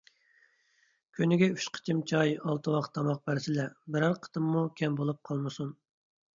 كۈنىگە ئۈچ قېتىم چاي، ئالتە ۋاخ تاماق بەرسىلە، بىرەر قېتىممۇ كەم بولۇپ قالمىسۇن.